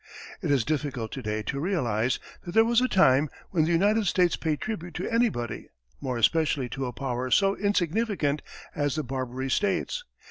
It is difficult to day to realize that there was a time when the United States paid tribute to anybody, more especially to a power so insignificant as the Barbary States.